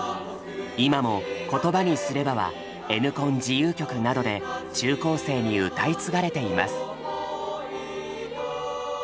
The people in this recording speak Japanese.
今も「言葉にすれば」はＮコン自由曲などで中高生に歌い継がれています。